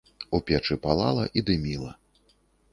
У печы палала і дыміла.